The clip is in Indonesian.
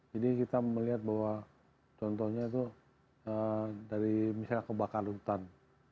jadi kita melihat bahwa contohnya itu dari misalnya kebakar hutan